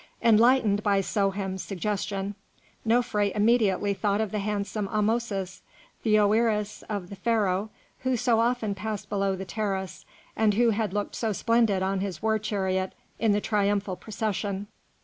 Enlightened by Souhem's suggestion, Nofré immediately thought of the handsome Ahmosis, the oëris of the Pharaoh, who so often passed below the terrace, and who had looked so splendid on his war chariot in the triumphal procession.